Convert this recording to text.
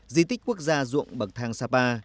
di tích quốc gia dụng bậc thang sapa